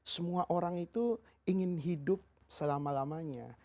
semua orang itu ingin hidup selama lamanya